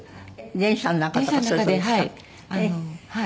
電車の中ではい。